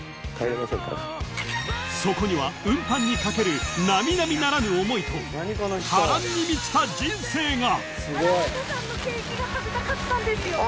［そこには運搬に懸ける並々ならぬ思いと波乱に満ちた人生が！］